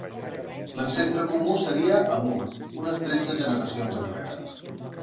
L'ancestre comú seria Amur, unes tretze generacions enrere.